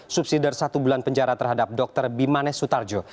subsidi dari satu bulan penjara terhadap dr bimanes sutarjo